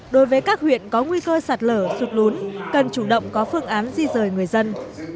đối với các huyện có nguy cơ sạt lở sụt lún cần chủ động có phương án di rời người dân